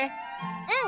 うん。